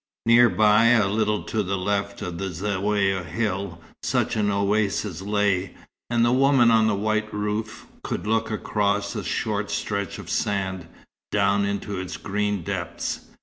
Near by, a little to the left of the Zaouïa hill, such an oasis lay, and the woman on the white roof could look across a short stretch of sand, down into its green depths.